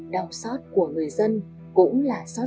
đồng sót của người dân cũng là sót sát